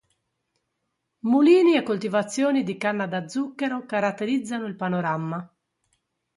Mulini e coltivazioni di canna da zucchero caratterizzano il panorama.